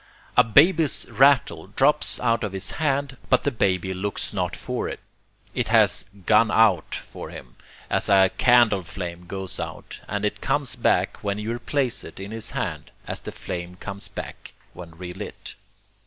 A baby's rattle drops out of his hand, but the baby looks not for it. It has 'gone out' for him, as a candle flame goes out; and it comes back, when you replace it in his hand, as the flame comes back when relit.